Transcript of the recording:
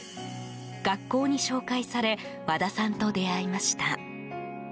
学校に紹介され和田さんと出会いました。